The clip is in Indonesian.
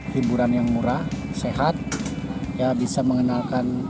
hiburan yang murah sehat ya bisa mengenalkan